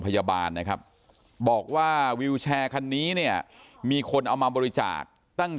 พยาบาลนะครับบอกว่าวิวแชร์คันนี้เนี่ยมีคนเอามาบริจาคตั้ง